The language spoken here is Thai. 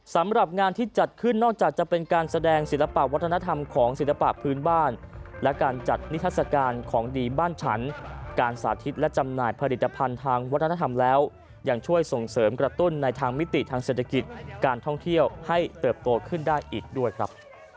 สำหรับงานที่จัดขึ้นนอกจากจะเป็นการแสดงศิลปะวัฒนธรรมของศิลปะพื้นบ้านและการจัดนิทัศกาลของดีบ้านฉันการสาธิตและจำหน่ายผลิตภัณฑ์ทางวัฒนธรรมแล้วยังช่วยส่งเสริมกระตุ้นในทางมิติทางเศรษฐกิจการท่องเที่ยวให้เติบโตขึ้นได้อีกด้วยครับ